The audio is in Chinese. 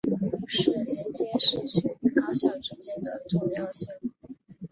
是连接市区与高校之间的重要线路。